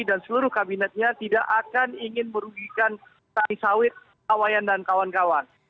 dan seluruh kabinetnya tidak akan ingin merugikan tani sawit pak wayan dan kawan kawan